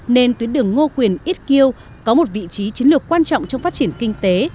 nên tuyến đường ngô quyền ít kiêu có một vị trí chiến lược quan trọng trong phát triển kinh tế